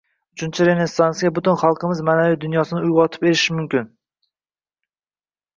Uchinchi Renessansga butun xalqimizning ma’naviy dunyosini uyg‘otib erishish mumkin